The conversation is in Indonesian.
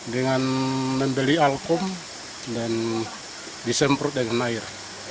dengan membeli alkom dan disemprot dengan air